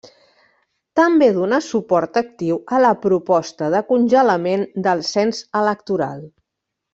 També donà suport actiu a la proposta de congelament del cens electoral.